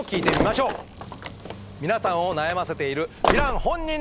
皆さんを悩ませているえっ本人！？